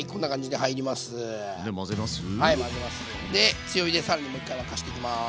で強火で更にもう一回沸かしていきます。